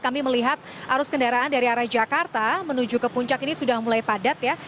kami melihat arus kendaraan dari arah jakarta menuju ke puncak ini sudah mulai padat ya